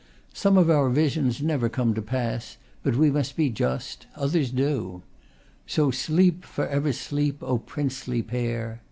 Some of our visions never come to pass; but we must be just, others do. "So sleep, forever sleep, O princely pair!"